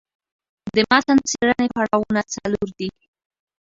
د متن څېړني پړاوونه څلور دي.